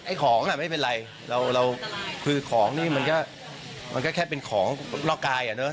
ของอ่ะไม่เป็นไรเราคือของนี่มันก็แค่เป็นของนอกกายอ่ะเนอะ